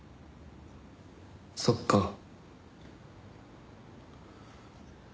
そっか。